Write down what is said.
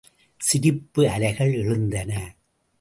சிரிப்பு அலைகள் எழுந்தன.